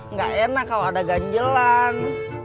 nggak enak kalau ada ganjelan